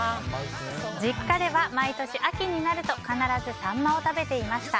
実家では毎年秋になると必ずサンマを食べていました。